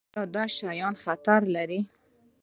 ایا دا شیان خطر لري؟